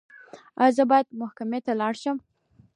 ایا زه باید محکمې ته لاړ شم؟